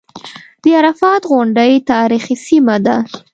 د عرفات غونډۍ تاریخي سیمه ده.